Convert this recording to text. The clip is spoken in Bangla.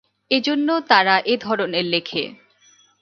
এ জন্য তারা এ ধরনের লেখে।